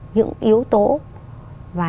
những yếu tố và